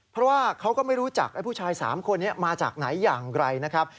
เพราะว่าเขาก็ไม่รู้จักไอ้ผู้ชาย๓คนนี้มาจากไหนอย่างไรนะครับ